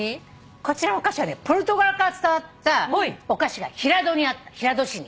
こちらのお菓子はポルトガルから伝わったお菓子が平戸にあった平戸市に。